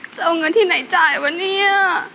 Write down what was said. จะเอาเงินที่ไหนจ่ายวะเนี่ย